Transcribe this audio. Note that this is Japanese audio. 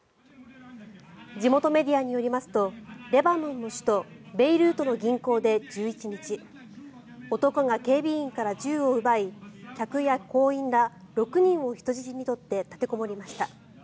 地元メディアによりますとレバノンの首都ベイルートの銀行で１１日男が警備員から銃を奪い客や行員ら６人を人質に取って立てこもりました。